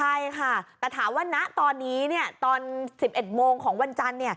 ใช่ค่ะแต่ถามว่าณตอนนี้ตอน๑๑โมงของวันจันทร์